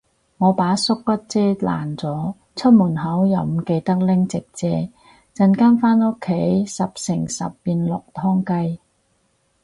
我把縮骨遮爛咗，出門口又唔記得拎直遮，陣間返屋企十成十變落湯雞